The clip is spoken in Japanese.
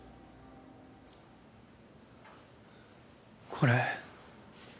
これ。